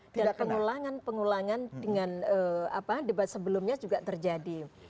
dan pengulangan pengulangan dengan debat sebelumnya juga terjadi